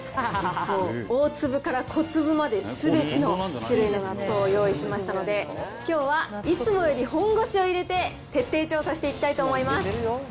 もう大粒から小粒まで、すべての種類の納豆を用意しましたので、きょうはいつもより本腰を入れて徹底調査していきたいと思います